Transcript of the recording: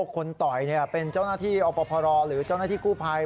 คนต่อยเป็นเจ้าหน้าที่อพรหรือเจ้าหน้าที่กู้ภัย